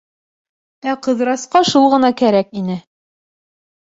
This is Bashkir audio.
Ә Ҡыҙырасҡа шул ғына кәрәк ине.